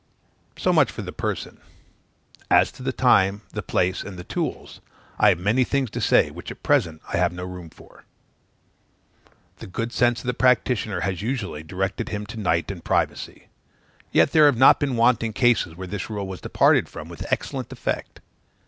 So much for the person. As to the time, the place, and the tools, I have many things to say, which at present I have no room for. The good sense of the practitioner has usually directed him to night and privacy. Yet there have not been wanting cases where this rule was departed from with excellent effect.